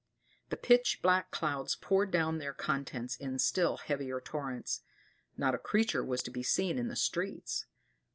The pitch black clouds poured down their contents in still heavier torrents; not a creature was to be seen in the streets.